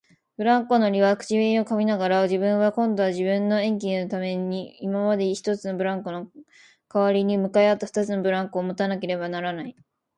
ブランコ乗りは唇をかみながら、自分は今度は自分の演技のために今までの一つのブランコのかわりに向かい合った二つのブランコをもたなければならない、